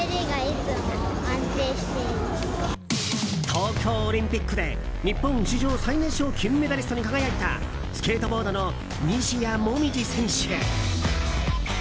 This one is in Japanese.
東京オリンピックで日本史上最年少金メダリストに輝いたスケートボードの西矢椛選手。